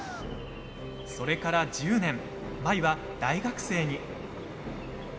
それから１０年、舞は大学生に。